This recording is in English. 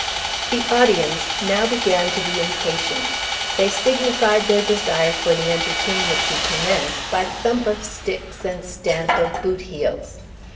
The audience now began to be impatient; they signified their desire for the entertainment to commence by thump of sticks and stamp of boot heels.